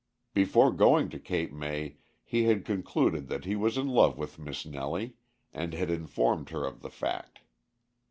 Before going to Cape May he had concluded that he was in love with Miss Nellie, and had informed her of the fact.